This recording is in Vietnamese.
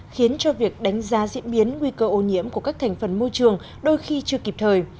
khiến cho việc đánh giá diễn biến nguy cơ ô nhiễm của các thành phần môi trường đôi khi chưa kịp thời